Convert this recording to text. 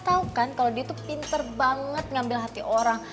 tau kan kalau dia tuh pinter banget ngambil hati orang